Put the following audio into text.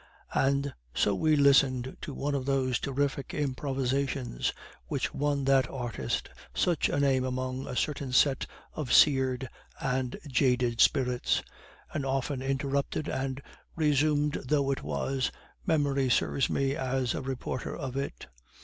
And so we listened to one of those terrific improvisations which won that artist such a name among a certain set of seared and jaded spirits; and often interrupted and resumed though it was, memory serves me as a reporter of it.